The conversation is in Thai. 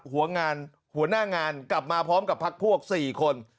หัวหน้างานกลับมาพร้อมกับพักพวก๔คน